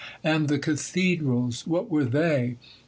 And the cathedrals, what were they?